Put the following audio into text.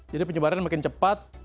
jadi penyebaran makin cepat